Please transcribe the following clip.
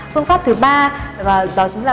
phương pháp thứ ba đó chính là